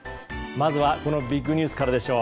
まずはこのビッグニュースからでしょう。